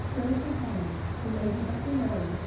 HARLOWE, TO LADY BETTY LAWRANCE.